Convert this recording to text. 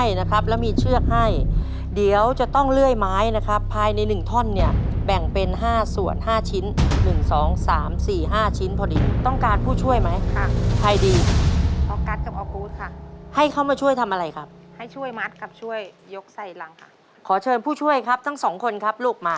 คมครับแล้วมีเชื่อให้เดี๋ยวจะต้องเลื่อยไม้นะครับภายในหนึ่งท่อนเนี่ยแบ่งเป็น๕ส่วน๕ชิ้น๑๒๓๔๕ชิ้นพอดีต้องการผู้ช่วยไหมค่ะใครดีฯพอกัสกับอกูดค่ะให้เขามาช่วยทำอะไรครับให้ช่วยมัดกับช่วยยกใส่หลังค่ะขอเชิญผู้ช่วยครับทั้